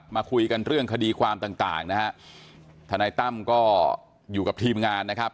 มาคุยกันเรื่องคดีความต่างทนายตั้มก็อยู่กับทีมงาน